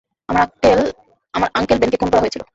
আমার আঙ্কেল বেনকে খুন করা হয়েছিল।